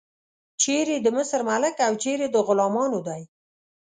چیرې د مصر ملک او چیرې د غلامانو دی.